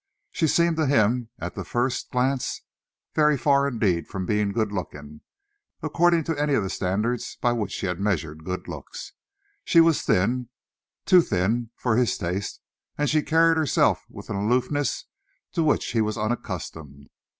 She seemed to him, at that first glance, very far indeed from being good looking, according to any of the standards by which he had measured good looks. She was thin, too thin for his taste, and she carried herself with an aloofness to which he was unaccustomed.